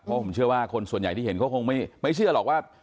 เพราะผมเชื่อว่าคนส่วนใหญ่ที่เห็นเขาคงไม่เชื่อหรอกว่า